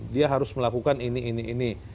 dia harus melakukan ini ini ini